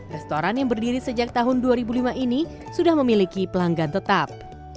restoran yang berdiri sejak tahun dua ribu lima ini sudah memiliki pelanggan tetap